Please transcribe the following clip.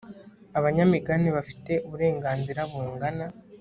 abanyamigabane bafite uburenganzira bungana.